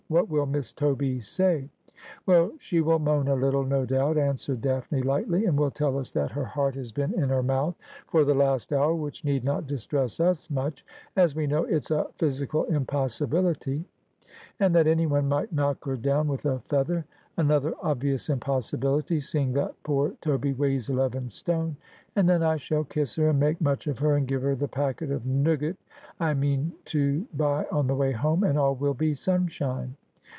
What will Miss Toby say ?'' Well, she will moan a little, no doubt,' answered Daphne lightly, ' and will tell us that her heart has been in her mouth for the last hour, which need not distress us much, as we know it's a physical impossibility ; and that anyone might knock her down with a feather — another obvious impossibility, seeing that poor Toby weighs eleven stone — and then I shall kiss her and make much of her, and give her the packet of nougat I mean to buy on the way home, and all will be sunshine.